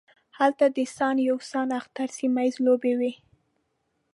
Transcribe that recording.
هلته د سان یو سان اختر سیمه ییزې لوبې وې.